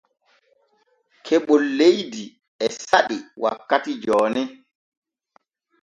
Keɓol leydi e saɗi wakkati jooni.